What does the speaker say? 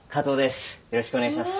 よろしくお願いします。